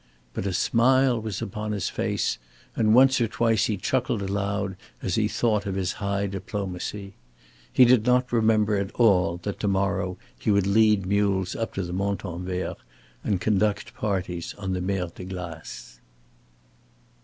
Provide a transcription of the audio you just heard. But a smile was upon his face, and once or twice he chuckled aloud as he thought of his high diplomacy. He did not remember at all that to morrow he would lead mules up to the Montanvert and conduct parties on the Mer de Glace.